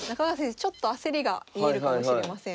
ちょっと焦りが見えるかもしれません。